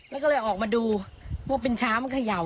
แล้วก็เลยออกมาดูว่าเป็นช้างมันเขย่า